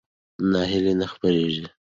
ناهیلي نه خپرېږي.